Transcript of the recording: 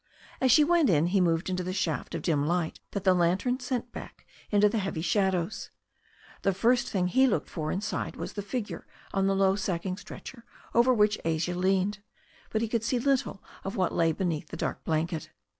As she went in he moved into the shaft of dim light that the lantern sent back into the heavy shadows. The first thing he looked for inside was the figure on the low sacking stretcher over which Asia leaned. But he could see little of what lay beneath the dark blanket.